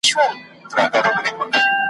برج دي تر آسمانه، سپي دي له لوږي مري ,